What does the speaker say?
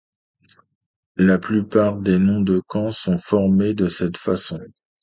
La plupart des noms de camps sont formés de cette façon.